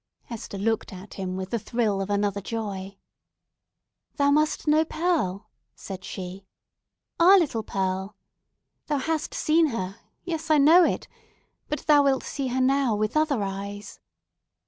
Hester looked at him with a thrill of another joy. "Thou must know Pearl!" said she. "Our little Pearl! Thou hast seen her—yes, I know it!—but thou wilt see her now with other eyes.